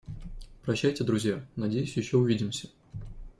Прощайте друзья, надеюсь ещё увидимся!